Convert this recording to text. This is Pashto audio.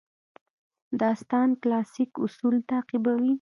داستان کلاسیک اصول تعقیبوي.